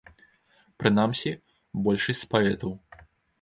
Прынамсі, большасць з паэтаў.